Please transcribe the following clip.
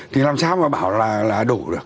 thì làm sao mà bảo là đủ được